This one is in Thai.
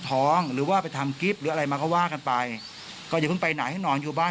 ท้องหรือว่าไปทำกิ๊บหรืออะไรมาว่ากันไปก็ยังไปหน่อยให้นอนอยู่บ้าน